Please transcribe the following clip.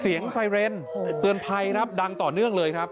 ไซเรนเตือนภัยครับดังต่อเนื่องเลยครับ